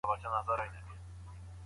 بل ځای ارامه ساحل